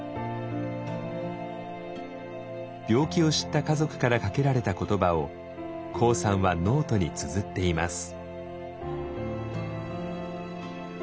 病気を知った家族からかけられた言葉をＫＯＯさんはノートにつづっています。